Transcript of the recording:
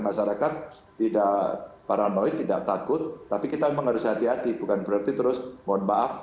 masyarakat tidak paranoid tidak takut tapi kita memang harus hati hati bukan berarti terus mohon maaf